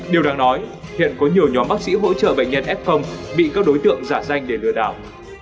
điều đáng nói hiện có nhiều nhóm bác sĩ hỗ trợ bệnh nhân f bị các đối tượng giả danh để lừa đảo